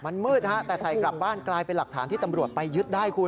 มันมืดฮะแต่ใส่กลับบ้านกลายเป็นหลักฐานที่ตำรวจไปยึดได้คุณ